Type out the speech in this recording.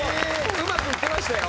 うまくいってましたよ。